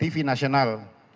pegawai tv nasional